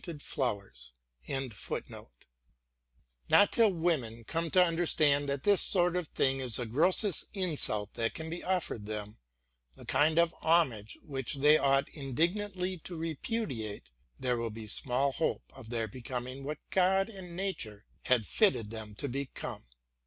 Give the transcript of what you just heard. * Now till women come to understand that this sort of thing is the grossest insult that can be offered them, the kind of homage which they ought indignantly to repudiate, there will be small hope of their becoming what God and Nature had fitted them to become.